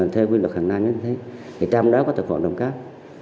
theo quy luật hằng nay đến tết thì trong đó có tội phạm đồng cáp